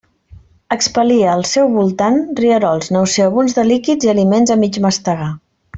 Expel·lia al seu voltant rierols nauseabunds de líquids i aliments a mig mastegar.